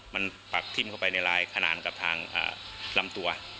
มันปักทิ้มเข้าไปในลายขนาดกับทางลำตัว